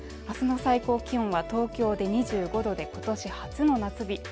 あすの最高気温は東京で２５度で今年初の夏日